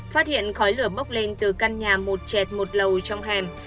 phát hiện khói lửa bốc lên từ căn nhà một chẹt một lầu trong hẻm